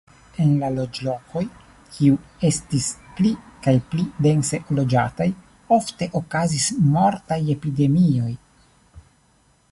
En la loĝlokoj, kiuj estis pli kaj pli dense loĝataj, ofte okazis mortaj epidemioj.